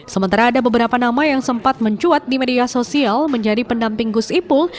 sementara ada beberapa nama yang sempat mencuat di media sosial menjadi pendamping gus ipul